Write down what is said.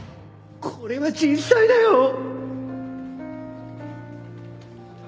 これは人災だよ！